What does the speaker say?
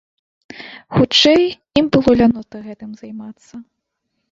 Хутчэй, ім было лянота гэтым займацца.